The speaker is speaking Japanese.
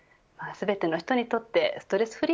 全ての人にとってストレス